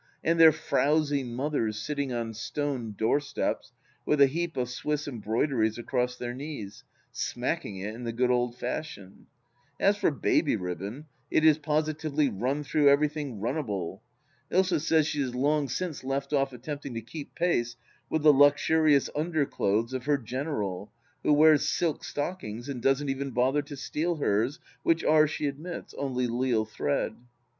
And their frowsy mothers sitting on stone doorsteps, with a heap of Swiss embroideries across their knees, smacking it in the good old fashion I As for baby ribbon, it is positively run through everything runnable. Ilsa says she has long since left off attempting to keep pace with the luxurious underclothes of her " general," who wears silk stockings and doesn't even bother to steal hers, which are, she admits, only Lisle thread.